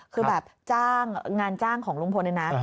คือแบบจ้างงานจ้างของลุงพลเลยนะ